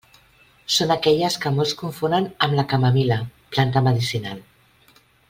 Són aquelles que molts confonen amb la camamil·la, planta medicinal.